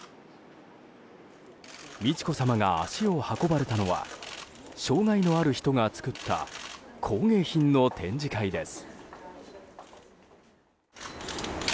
美智子さまが足を運ばれたのは障害のある人が作った工芸品の展示会です。